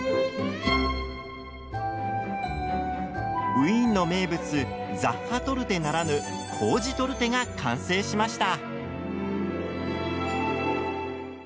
ウィーンの名物ザッハトルテならぬコージトルテが完成しました。